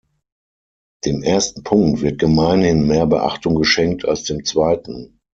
Dem ersten Punkt wird gemeinhin mehr Beachtung geschenkt als dem zweiten.